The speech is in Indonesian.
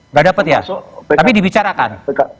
nggak dapat ya tapi dibicarakan